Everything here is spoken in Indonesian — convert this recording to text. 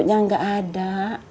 dan cuci gak ada